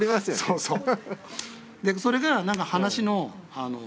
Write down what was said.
そうそう。